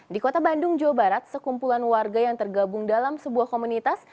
di kota bandung jawa barat sekumpulan warga yang tergabung dalam sebuah komunitas